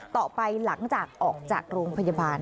ต่อไปหลังจากออกจากโรงพยาบาล